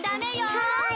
はい！